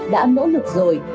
đã nỗ lực rồi